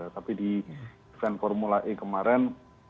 tapi di event formula e kemarin